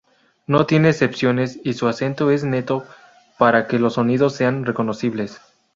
No tiene excepciones y su acento es neto para que los sonidos sean reconocibles.